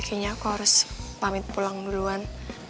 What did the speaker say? kayaknya aku harus pamit pulang duluan